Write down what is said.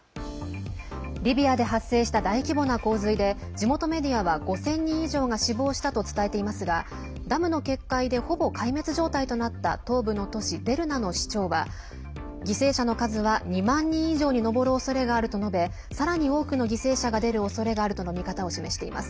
リビアで発生した大規模な洪水で地元メディアは５０００人以上が死亡したと伝えていますがダムの決壊でほぼ壊滅状態となった東部の都市デルナの市長は犠牲者の数は２万人以上に上るおそれがあると述べさらに多くの犠牲者が出るおそれがあるとの見方を示しています。